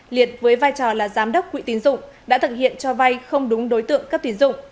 liệt với vai trò là giám đốc quỹ tín dụng đã thực hiện cho vay không đúng đối tượng cấp tiến dụng